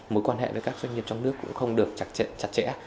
mối quan hệ với các doanh nghiệp trong nước cũng không được chặt chẽ